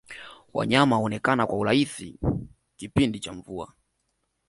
wanyama huonekana kwa urahisi zaidi kipindi cha mvua